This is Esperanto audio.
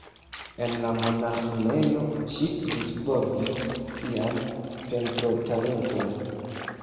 En la monaĥinejo ŝi disvolvis sian pentrotalenton.